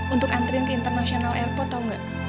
untuk antriin ke international airport tau gak